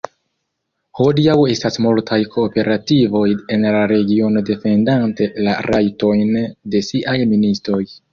Hodiaŭ estas multaj kooperativoj en la regiono defendante la rajtojn de siaj ministoj.